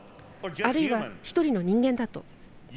あるいは、１人の人間だと。